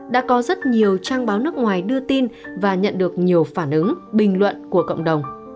đã có rất nhiều trang báo nước ngoài đưa tin và nhận được nhiều phản ứng bình luận của cộng đồng